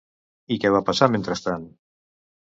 I què va passar mentrestant?